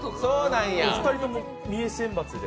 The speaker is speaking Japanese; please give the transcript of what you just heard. お二人とも三重選抜で。